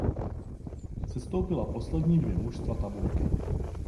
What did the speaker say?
Sestoupila poslední dvě mužstva tabulky.